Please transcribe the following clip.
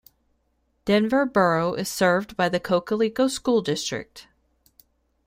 Denver Borough is served by the Cocalico School District.